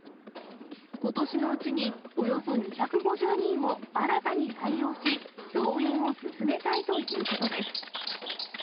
ことしのうちにおよそ２５０人を新たに採用し、増員を進めたいということです。